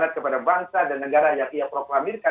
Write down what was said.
oke saya sudah dapat poinnya